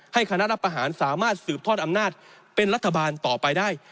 คณะรับประหารสามารถสืบทอดอำนาจเป็นรัฐบาลต่อไปได้